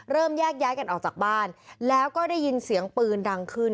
แยกย้ายกันออกจากบ้านแล้วก็ได้ยินเสียงปืนดังขึ้น